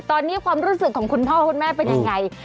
ตอนนี้ความรู้สึกของคุณพ่อคุณแม่เป็นยังไง